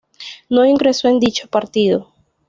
No ingresó en dicho partido.